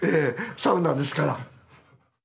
サウナですから。